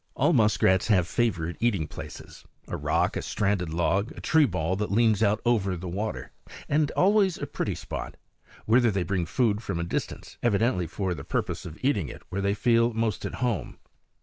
All muskrats have favorite eating places a rock, a stranded log, a tree boll that leans out over the water, and always a pretty spot whither they bring food from a distance, evidently for the purpose of eating it where they feel most at home.